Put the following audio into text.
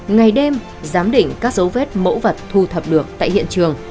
ngày đêm giám định các dấu vết mẫu vật thu thập được tại hiện trường